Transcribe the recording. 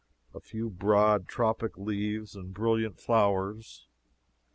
a few broad tropic leaves and brilliant flowers.